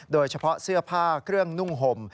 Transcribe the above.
โดยเฉพาะเสื้อผ้าเครื่องนุ่งห่ม